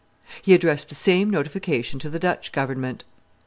He addressed the same notification to the Dutch government.